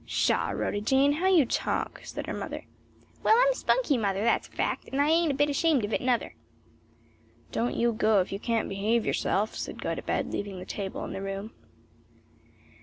"Pshaw, Rhoda Jane, how you talk!" said her mother. "Well, I'm spunky, mother; that's a fact; and I ain't a bit ashamed of it nuther." "Don't you go if you can't behave yourself," said Gotobed, leaving the table and the room.